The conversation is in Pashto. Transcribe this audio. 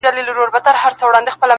بیا خِلوت دی او بیا زه یم بیا ماښام دی,